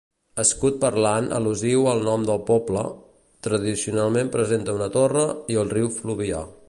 Escut parlant al·lusiu al nom del poble: tradicionalment presenta una torre i el riu Fluvià.